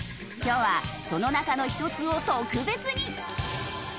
今日はその中の１つを特別に。